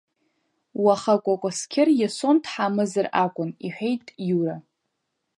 Уаха Кәакәасқьыр Иасон дҳамазар акәын, — иҳәеит Иура.